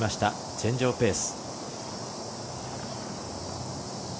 チェンジオブペース。